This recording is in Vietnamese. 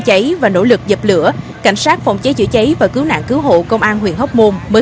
cháy và nỗ lực dập lửa cảnh sát phòng cháy chữa cháy và cứu nạn cứu hộ công an huyện hóc môn mới